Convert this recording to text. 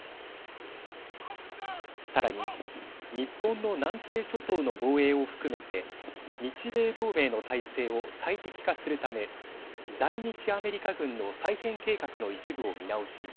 さらに日本の南西諸島の防衛を含めて日米同盟の態勢を最適化するため在日アメリカ軍の再編計画の一部を見直し